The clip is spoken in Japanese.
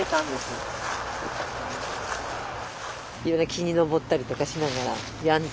木に登ったりとかしながらやんちゃで本当に。